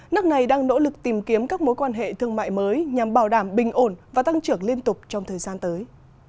nước này đang nỗ lực tìm kiếm các mối quan hệ thương mại mới nhằm bảo đảm bình ổn và tăng trưởng liên tục trong thời gian tới